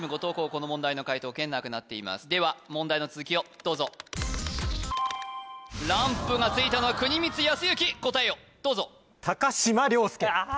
この問題の解答権なくなっていますでは問題の続きをどうぞランプがついたのは國光恭幸答えをどうぞあ